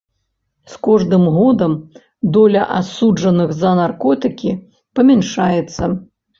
З кожным годам доля асуджаных за на наркотыкі памяншаецца.